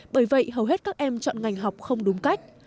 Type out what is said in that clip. bởi vậy hầu hết các em chọn ngành học không đúng cách